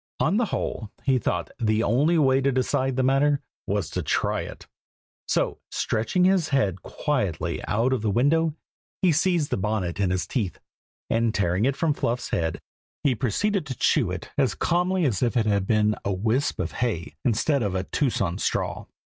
On the whole, he thought the only way to decide the matter was to try it; so stretching his head quietly out of the window, he seized the bonnet in his teeth, and tearing it from Fluff's head, he proceeded to chew it as calmly as if it had been a wisp of hay instead of a Tuscan straw.